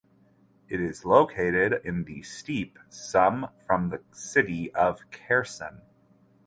It is located in the steppe some from the city of Kherson.